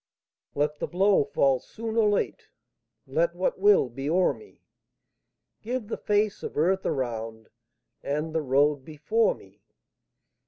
Let the blow fall soon or late, Let what will be o'er me; Give the face of earth around, And the road before me.